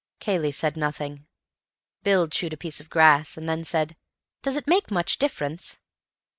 Cayley said nothing. Bill chewed a piece of grass, and then said, "Does it make much difference?"